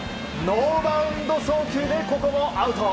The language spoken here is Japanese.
ノーバウンド送球でここもアウト。